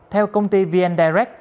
theo công ty vn direct